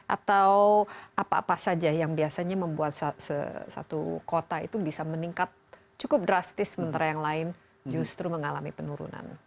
atau apa apa saja yang biasanya membuat satu kota itu bisa meningkat cukup drastis sementara yang lain justru mengalami penurunan